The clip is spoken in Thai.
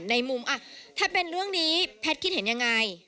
ในมุมถ้าเป็นเรื่องนี้แพทย์คิดเห็นยังไง